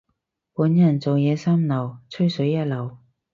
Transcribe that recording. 本人做嘢三流，吹水一流。